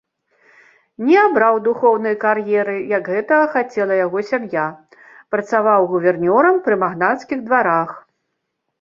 Не абраў духоўнай кар'еры, як гэтага хацела яго сям'я, працаваў гувернёрам пры магнацкіх дварах.